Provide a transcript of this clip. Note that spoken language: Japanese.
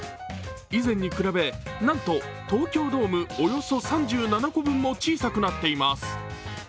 以前に比べ、なんと東京ドーム３７個分も小さくなっています。